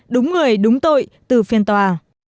đúng người đúng tội từ phiên tòa